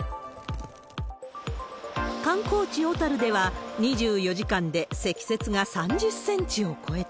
観光地、小樽では２４時間で積雪が３０センチを超えた。